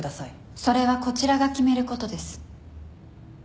それはこちらが決めることです。